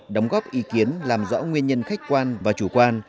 đóng góp ý kiến làm rõ nguyên nhân khách quan và chủ quan